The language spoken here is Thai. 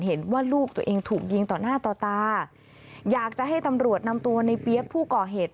ลูกตัวเองถูกยิงต่อหน้าต่อตาอยากจะให้ตำรวจนำตัวในเปี๊ยกผู้ก่อเหตุ